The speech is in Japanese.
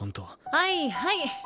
はいはい。